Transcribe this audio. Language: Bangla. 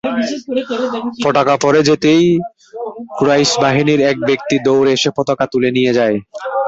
পতাকা পড়ে যেতেই কুরাইশ বাহিনীর এক ব্যক্তি দৌড়ে এসে পতাকা তুলে নিয়ে যায়।